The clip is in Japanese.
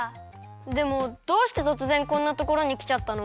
でもどうしてとつぜんこんなところにきちゃったの？